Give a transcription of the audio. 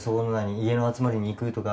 家の集まりに行くとか。